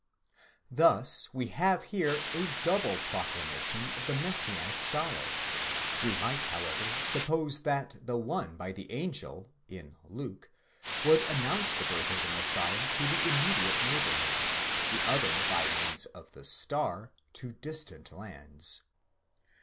Thus we have here a double proclamation of the Messianic child: we might, however, suppose that the one by the angel, in Luke, would announce the birth of the Messiah to the immediate neighbourhood ; the other, by means of the star, to distant lands.